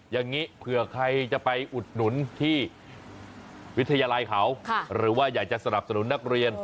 อย่างนี้เผื่อใครจะไปอุดหนุนที่วิทยาลัยเขาหรือว่าอยากจะสนับสนุนนักเรียน